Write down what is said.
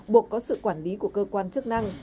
buộc có sự quản lý của cơ quan chức năng